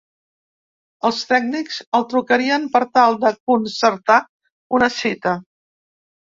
Els tècnics el trucarien per tal de concertar una cita.